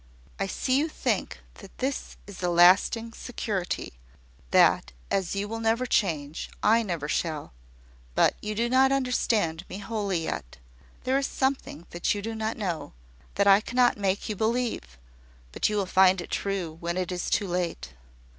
I see you think that this is a lasting security; that, as you will never change, I never shall: but you do not understand me wholly yet. There is something that you do not know, that I cannot make you believe: but you will find it true, when it is too late.